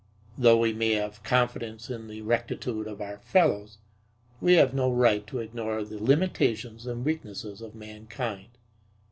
Though we may have confidence in the rectitude of our fellows, we have no right to ignore the limitations and weaknesses of mankind.